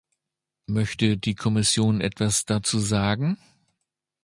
Möchte die Kommission etwas dazu sagen?